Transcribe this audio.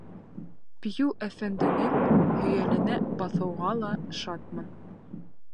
Пью әфәнденең һөйәленә баҫыуға ла шатмын.